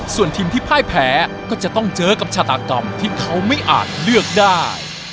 ส่วนทีมที่พ่ายแพ้ก็จะต้องเจอกับชาตากรรมที่เขาไม่อาจเลือกได้